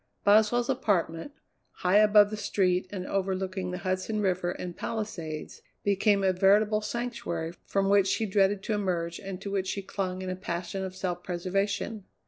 Boswell's apartment, high above the street and overlooking the Hudson River and Palisades, became a veritable sanctuary from which she dreaded to emerge and to which she clung in a passion of self preservation.